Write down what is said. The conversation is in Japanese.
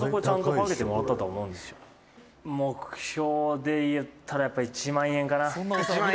「目標で言ったらやっぱり、１万円かな」